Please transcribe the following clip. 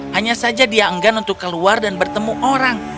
hanya saja dia enggan untuk keluar dan bertemu orang